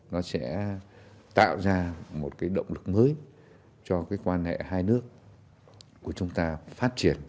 nó sẽ tạo ra một động lực mới cho quan hệ hai nước của chúng ta phát triển